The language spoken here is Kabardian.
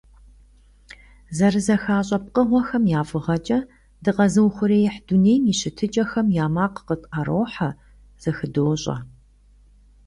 ЗэрызэхащӀэ пкъыгъуэхэм я фӀыгъэкӀэ дыкъэзыухъуреихь дунейм и щытыкӀэхэм я макъ къытӀэрохьэ, зэхыдощӀэ.